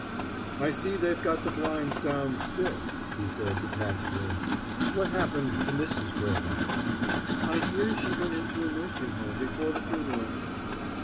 "I see they've got the blinds down still," he said detachedly. "What's happened to Mrs. Craven?" "I hear she went into a nursing home before the funeral."